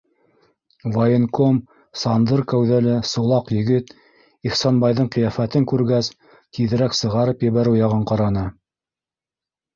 Военком, сандыр кәүҙәле сулаҡ егет, Ихсанбайҙың ҡиәфәтен күргәс, тиҙерәк сығарып ебәреү яғын ҡараны.